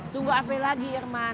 tunggu apa lagi irman